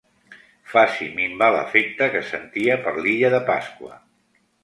Faci minvar l'afecte que sentia per l'illa de Pasqua.